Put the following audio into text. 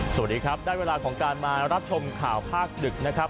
สวัสดีครับได้เวลาของการมารับชมข่าวภาคดึกนะครับ